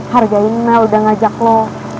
hargain mel udah ngajak lo